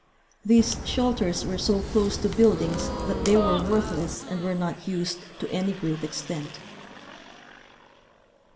These shelters were so close to buildings that they were worthless and were not used to any great extent.